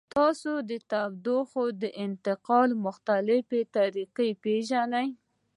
تاسو د تودوخې د انتقال مختلفې طریقې پیژنئ؟